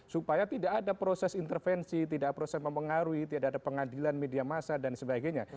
supaya tidak ada proses intervensi tidak ada proses mempengaruhi tidak ada pengadilan media masa dan sebagainya